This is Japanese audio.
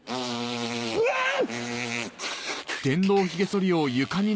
うわっ！